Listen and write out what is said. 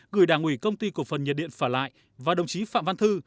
gửi đảng ủy công ty cổ phần nhiệt điện phả lại và đồng chí phạm văn thư